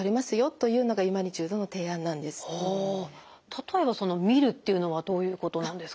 例えばその見るっていうのはどういうことなんですか？